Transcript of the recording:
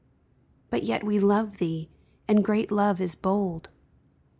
But yet we love thee, and great love is bold.